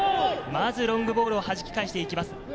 まずロングボールをはじき返していきます。